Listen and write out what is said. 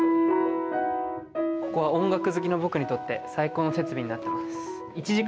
ここは音楽好きな僕にとって最高の設備になってます。